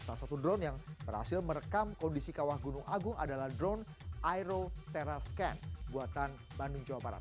salah satu drone yang berhasil merekam kondisi kawah gunung agung adalah drone aero terascan buatan bandung jawa barat